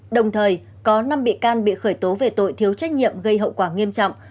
đồng thời có năm bị can bị khởi tố về tội thiếu trách nhiệm gây hậu quả nghiêm trọng